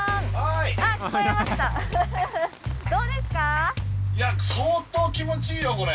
いや相当気持ちいいよこれ。